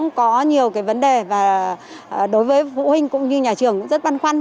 cũng có nhiều cái vấn đề và đối với phụ huynh cũng như nhà trường rất băn khoăn